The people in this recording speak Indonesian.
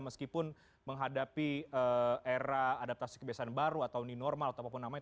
meskipun menghadapi era adaptasi kebiasaan baru atau ini normal ataupun namanya